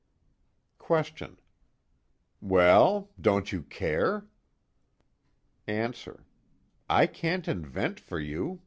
QUESTION: Well? Don't you care? ANSWER: I can't invent for you.